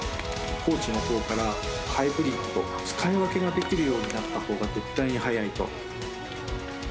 コーチのほうからハイブリッド、使い分けができるようになったほうが絶対に速いと。